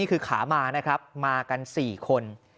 ขามานะครับมากัน๔คน